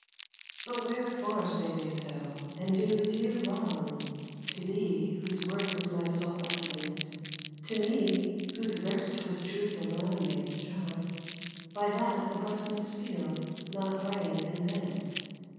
But wherefore say they so, and do dear wrong To thee, whose worth was my sole argument, To me, whose verse 'twas truth alone made strong By that the breast must feel, not brain invent?